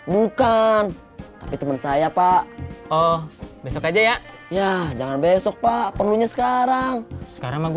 bukan tapi teman saya pak oh besok aja ya ya jangan besok pak perlunya sekarang sekarang aku